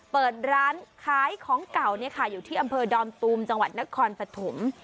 เปิดร้านขายของเก่าอยู่ที่อำเภอดอนตูมจังหวัดนครปฐม